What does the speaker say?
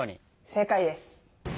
正解です。